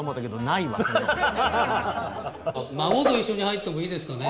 孫と一緒に入ってもいいですかね？